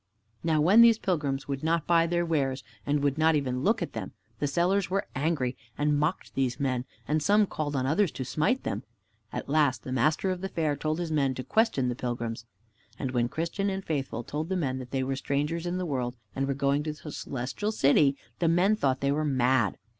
Now when these pilgrims would not buy their wares and would not even look at them, the sellers were angry and mocked these men, and some called on others to smite them. At last the master of the fair told his men to question the pilgrims. And when Christian and Faithful told the men that they were strangers in the world and were going to the Celestial City, the men thought they were mad.